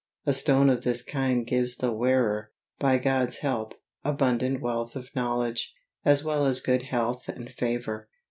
A stone of this kind gives the wearer, by God's help, abundant wealth of knowledge, as well as good health and favor.